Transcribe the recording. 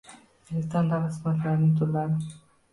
Elektron davlat xizmatlarining turlari